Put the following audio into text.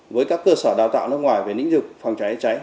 với các cơ sở đào tạo nước ngoài về lĩnh vực phòng cháy cháy